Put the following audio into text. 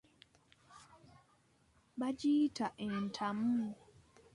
Bagiyita ettamu.